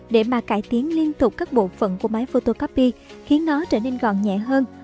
để mà cải tiến liên tục các bộ phận của máy photocopy khiến nó trở nên gọn nhẹ hơn